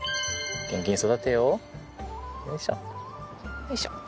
よいしょ。